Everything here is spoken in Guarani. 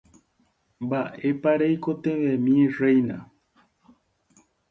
Mba'épa reikotevẽmireína